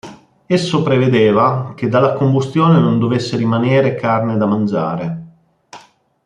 Esso prevedeva che dalla combustione non dovesse rimanere carne da mangiare.